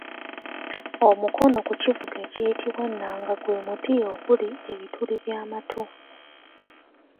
Omukono ku kivuga ekiyitibwa ennanga gwe muti okuli ebituli by’amatu